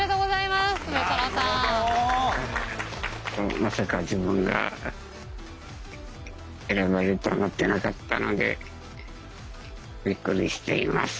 まさか自分が選ばれると思ってなかったのでびっくりしています。